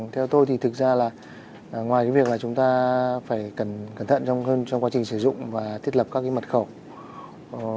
theo tôi thì thực ra là ngoài cái việc là chúng ta phải cẩn thận trong hơn trong quá trình sử dụng và thiết lập các cái mật khẩu